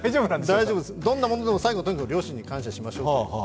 大丈夫です、どんなものでも最後は両親に感謝しましょうと。